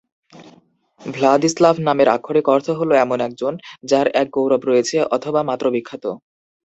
Vladislav নামের আক্ষরিক অর্থ হল এমন একজন, যার এক গৌরব রয়েছে অথবা মাত্র বিখ্যাত।